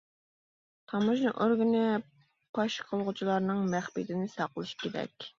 تاموژنا ئورگىنى پاش قىلغۇچىلارنىڭ مەخپىيىتىنى ساقلىشى كېرەك.